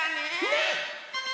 ねっ！